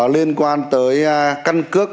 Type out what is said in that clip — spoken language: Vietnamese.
liên quan tới căn cước